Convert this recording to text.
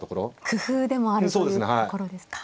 工夫でもあるというところですか。